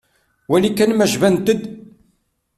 Wali kan ma jbant-d.